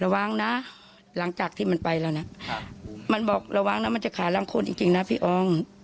ระวังนะเธอจะกลับมาฆ่าล้างโคตรจริงนะพี่ออง